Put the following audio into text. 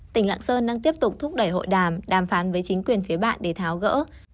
tỉnh lạng sơn đang tiếp tục thúc đẩy hội đàm đàm phán với chính quyền phía bạn để tháo gỡ